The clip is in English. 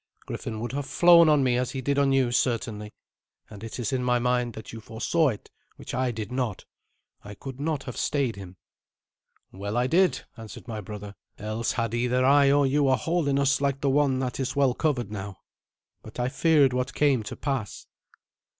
"Griffin would have flown on me as he did on you, certainly; and it is in my mind that you foresaw it, which I did not. I could not have stayed him." "Well I did," answered my brother; "else had either I or you a hole in us like the one that is well covered now. But I feared what came to pass."